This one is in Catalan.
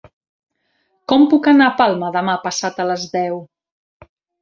Com puc anar a Palma demà passat a les deu?